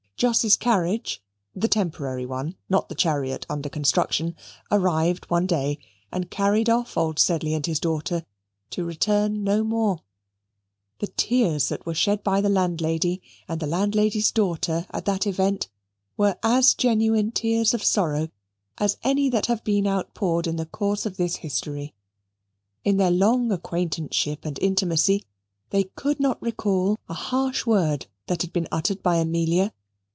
Jos's carriage (the temporary one, not the chariot under construction) arrived one day and carried off old Sedley and his daughter to return no more. The tears that were shed by the landlady and the landlady's daughter at that event were as genuine tears of sorrow as any that have been outpoured in the course of this history. In their long acquaintanceship and intimacy they could not recall a harsh word that had been uttered by Amelia.